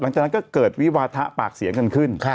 หลังจากนั้นก็เกิดวิวาทะปากเสียงกันขึ้น